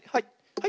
はい。